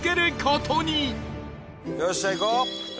よっしゃ行こう！